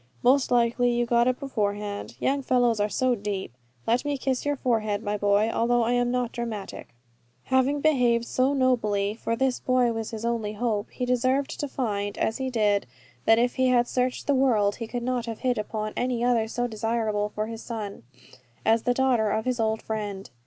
Most likely you got it beforehand. You young fellows are so deep. Let me kiss your forehead, my boy, although I am not dramatic." Having behaved so nobly, for this boy was his only hope, he deserved to find, as he did, that if he had searched the world he could not have hit upon any other so desirable for his son, as the daughter of his old friend.